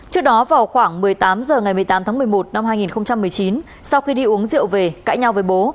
trước đó vào khoảng một mươi tám h ngày một mươi tám tháng một mươi một năm hai nghìn một mươi chín sau khi đi uống rượu về cãi nhau với bố